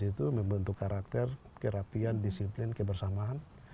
itu membentuk karakter kerapian disiplin kebersamaan